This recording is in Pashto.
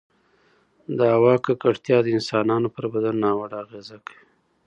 د هـوا ککـړتيـا د انسـانـانو پـر بـدن نـاوړه اغـېزه کـوي